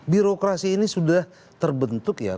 birokrasi ini sudah terbentuk ya